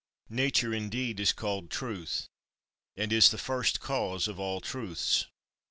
Nature, indeed, is called truth, and is the first cause of all truths.